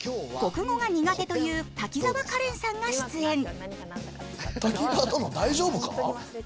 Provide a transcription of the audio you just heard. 国語が苦手という滝沢カレンさんが出演。